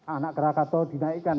anak krakato dinaikkan